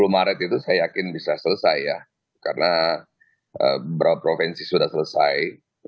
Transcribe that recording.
dua puluh maret itu saya yakin bisa selesai ya karena beberapa provinsi sudah selesai